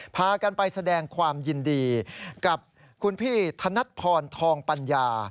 พากันไปแสดงความยินดีกับคุณพี่ธนัดพรทองปัญญา